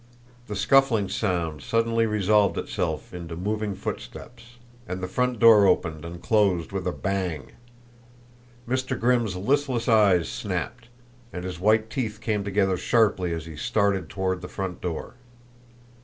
The scuffling sound suddenly resolved itself into moving footsteps, and the front door opened and closed with a bang. Mr. Grimm's listless eyes snapped, and his white teeth came together sharply as he started toward the front door.